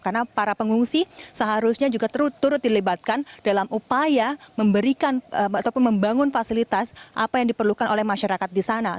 karena para pengungsi seharusnya juga turut turut dilibatkan dalam upaya memberikan ataupun membangun fasilitas apa yang diperlukan oleh masyarakat di sana